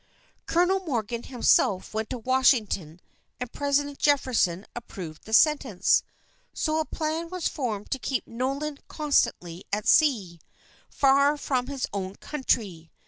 Colonel Morgan himself went to Washington and President Jefferson approved the sentence, so a plan was formed to keep Nolan constantly at sea, far from his own country.